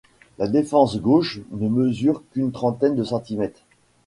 La défense gauche ne mesure q'une trentaine de centimètres.